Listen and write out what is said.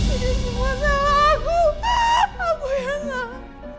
ini semua salah aku aku yang salah